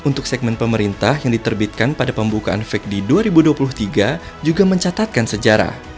untuk segmen pemerintah yang diterbitkan pada pembukaan fek di dua ribu dua puluh tiga juga mencatatkan sejarah